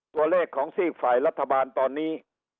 ตัวเลขของซีกฝ่ายรัฐบาลตอนนี้